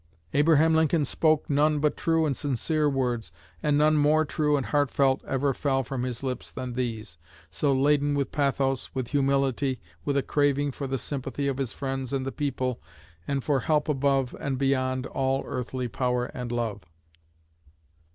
Abraham Lincoln spoke none but true and sincere words, and none more true and heartfelt ever fell from his lips than these, so laden with pathos, with humility, with a craving for the sympathy of his friends and the people, and for help above and beyond all earthly power and love.